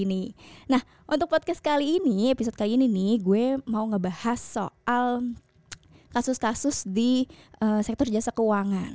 nah untuk podcast kali ini episode kali ini nih gue mau ngebahas soal kasus kasus di sektor jasa keuangan